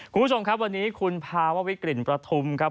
คุณผู้ชมครับวันนี้คุณภาววิกลิ่นประทุมครับ